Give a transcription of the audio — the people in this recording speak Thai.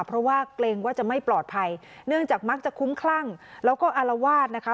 เพราะว่าเกรงว่าจะไม่ปลอดภัยเนื่องจากมักจะคุ้มคลั่งแล้วก็อารวาสนะคะ